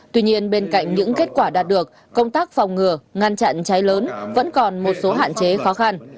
tuy nhiên bên cạnh những kết quả đạt được công tác phòng ngừa ngăn chặn cháy lớn vẫn còn một số hạn chế khó khăn